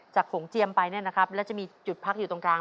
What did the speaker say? โขงเจียมไปเนี่ยนะครับแล้วจะมีจุดพักอยู่ตรงกลาง